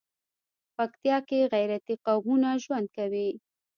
پکتيا کې غيرتي قومونه ژوند کوي.